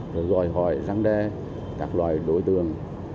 rồi gọi hỏi răng đe các loài đối tượng